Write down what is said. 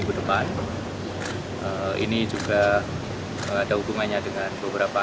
joko drono meminta penyadwalan ulang piala ffu dua puluh dua